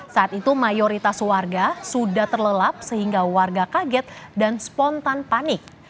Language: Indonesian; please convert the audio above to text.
saat itu mayoritas warga sudah terlelap sehingga warga kaget dan spontan panik